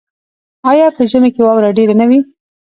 آیا په ژمي کې واوره ډیره نه وي؟